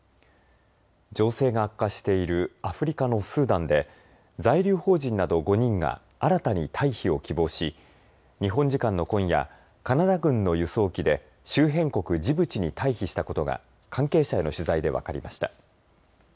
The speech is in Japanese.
情勢が悪化しているアフリカのスーダンで在留邦人など５人が新たに退避を希望し日本時間の今夜カナダ軍の輸送機で周辺国ジブチに退避したことが関係者への取材で分かりました。